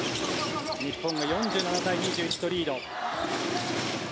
日本が４７対２１とリード。